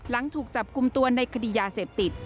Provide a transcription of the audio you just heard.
หลังถูกจับกลุ่มตัวในคดียาเสพติด